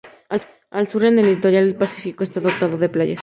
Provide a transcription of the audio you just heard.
Al sur en el litoral Pacífico está dotado de playas.